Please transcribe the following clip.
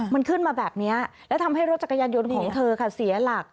มันขึ้นมาแบบนี้แล้วทำให้รถจักรยานยนต์ของเธอค่ะเสียหลัก